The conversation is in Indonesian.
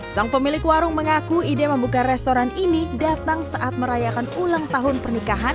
sang pemilik warung mengaku ide membuka restoran ini datang saat merayakan ulang tahun pernikahan